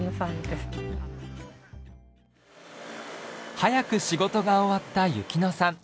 早く仕事が終わった由希乃さん。